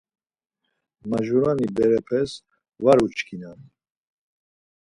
Majurani berepes var uçkinan.